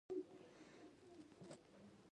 زړه مې د غم تر سیوري لاندې ښخ شو.